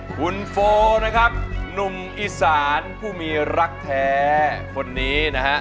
คุณโฟนะครับหนุ่มอีสานผู้มีรักแท้คนนี้นะฮะ